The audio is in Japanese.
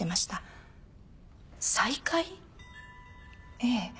ええ。